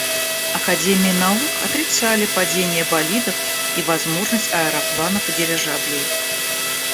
Академии наук отрицали падение болидов и возможность аэропланов и дирижаблей.